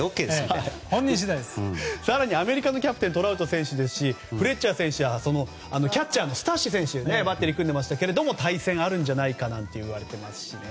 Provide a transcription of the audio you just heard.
更にアメリカのキャプテントラウト選手ですしフレッチャー選手はキャッチャーのスタッシ選手とバッテリーを組んでいましたけども対戦、あるんじゃないかなんて言われていますしね。